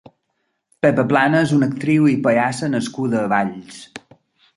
Pepa Plana és una actriu i pallassa nascuda a Valls.